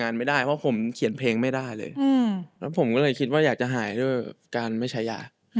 แล้วผมก็เลยคิดอยากจะหายด้วยการไม่ใช้ยา